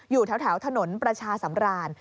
อยู่แถวถนนประชาสำราญ